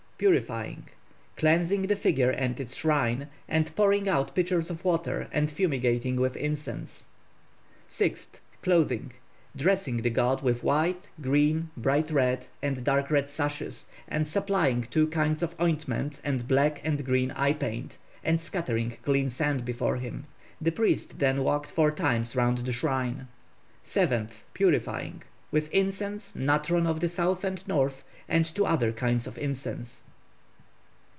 Purifying cleansing the figure and its shrine, and pouring out pitchers of water, and fumigating with incense. 6th. Clothing dressing the god with white, green, bright red, and dark red sashes, and supplying two kinds of ointment and black and green eye paint, and scattering clean sand before him. The priest then walked four times round the shrine. 7th. Purifying with incense, natron of the south and north, and two other kinds of incense.